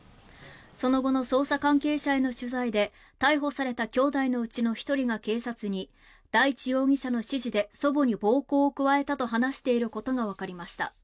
その後の捜査関係者への取材で逮捕されたきょうだいのうちの１人が警察に大地容疑者の指示で祖母に暴行を加えたと話していることがわかりました。